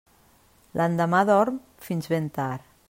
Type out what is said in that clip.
L'endemà dorm fins ben tard.